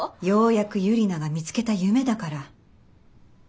ようやくユリナが見つけた夢だから。